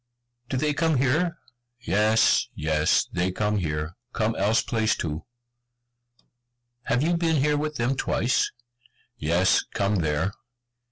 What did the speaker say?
"Do they come here?" "Yes, yes, they come here, come else place too." "Have you been here with them twice?" "Yes, come there."